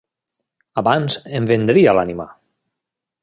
Abans em vendria l'ànima.